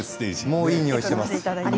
もういい匂いしてます。